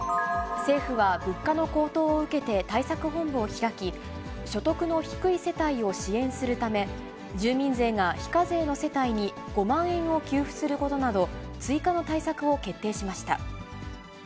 政府は物価の高騰を受けて対策本部を開き、所得の低い世帯を支援するため、住民税が非課税の世帯に５万円を給付することなど、追加の対策を決定しました。